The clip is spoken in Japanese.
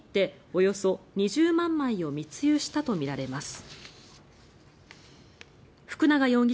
およそ２０万枚を密輸したとみられます。